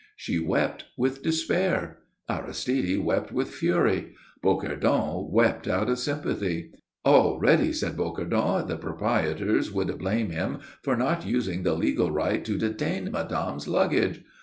She wept with despair; Aristide wept with fury; Bocardon wept out of sympathy. Already, said Bocardon, the proprietors would blame him for not using the legal right to detain madame's luggage.